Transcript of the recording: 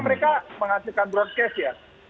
mereka menghasilkan broadcast ya